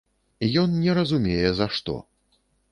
Ён не разумее за што!